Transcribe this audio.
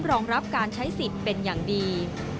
รองรับการใช้สิทธิ์เป็นอย่างดี